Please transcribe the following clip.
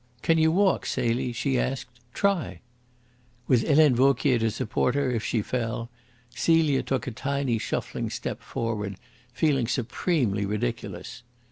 "Can you walk, Celie?" she asked. "Try!" With Helene Vauquier to support her if she fell, Celia took a tiny shuffling step forward, feeling supremely ridiculous.